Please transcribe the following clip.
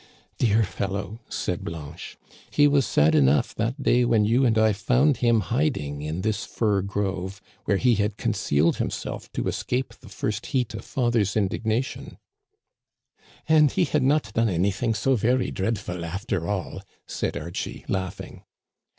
"" Dear fellow !*' said Blanche, " he was sad enough that day when you and I found him hiding in this fir grove, where he had concealed himself to escape the first heat of father's indignation. Digitized by VjOOQIC LOCHIEL AND BLANCHE. 243 " And he had not done anything so very dreadful after all," said Archie, laughing.